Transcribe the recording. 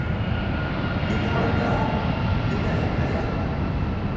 叫菠蘿咪好！叫咩鳳梨呀